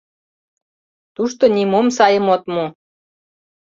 Тушто нимом сайым от му.